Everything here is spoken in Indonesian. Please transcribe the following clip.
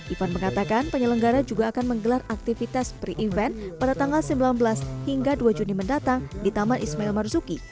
ivan mengatakan penyelenggara juga akan menggelar aktivitas pre event pada tanggal sembilan belas hingga dua juni mendatang di taman ismail marzuki